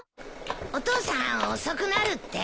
お父さん遅くなるって。